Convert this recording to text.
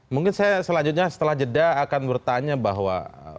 mungkin saya selanjutnya setelah jeda akan bertanya bahwa